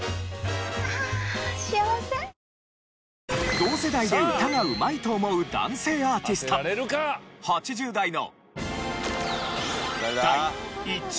同世代で歌がうまいと思う男性アーティスト８０代の。